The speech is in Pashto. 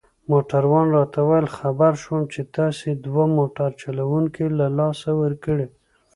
موټروان راته وویل: خبر شوم چي تاسي دوه موټر چلوونکي له لاسه ورکړي.